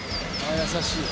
優しい。